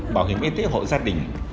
bảo hiểm y tế hội gia đình